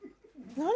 何？